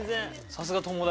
さすが友達。